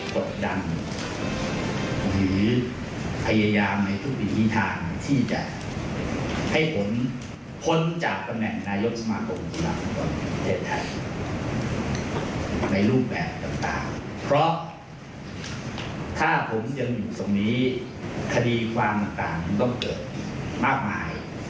แบบต่างเพราะถ้าผมยังอยู่ตรงนี้คดีความต่างมันต้องเกิดมากมาย